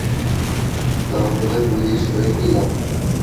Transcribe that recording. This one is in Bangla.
তাহলে পুলিশ হয়ে কি লাভ?